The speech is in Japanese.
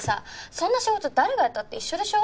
そんな仕事誰がやったって一緒でしょ？